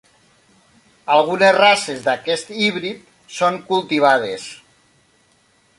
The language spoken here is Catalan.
Algunes races d'aquest híbrid són cultivades.